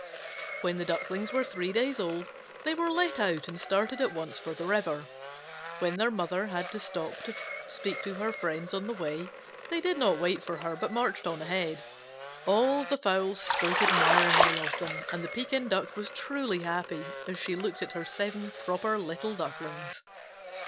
When the Ducklings were three days old, they were let out and started at once for the river. When their mother had to stop to speak to her friends on the way, they did not wait for her, but marched on ahead. All the fowls spoke admiringly of them, and the Pekin Duck was truly happy as she looked at her seven proper little Ducklings.